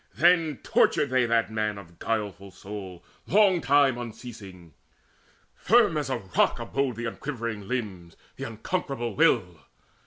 Then tortured they that man of guileful soul Long time unceasing. Firm as a rock abode The unquivering limbs, the unconquerable will.